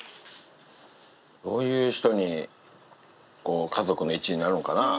どういう人に、家族の一員になるんかな。